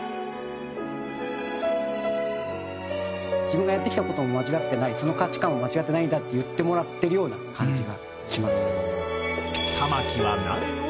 自分がやってきた事も間違ってないその価値観は間違ってないんだって言ってもらってるような感じがします。